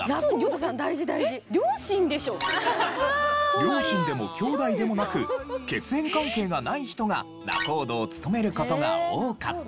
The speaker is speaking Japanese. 両親でも兄弟でもなく血縁関係がない人が仲人を務める事が多かった。